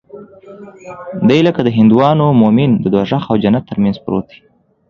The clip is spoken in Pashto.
دى لکه د هندوانو مومن د دوږخ او جنت تر منځ پروت دى.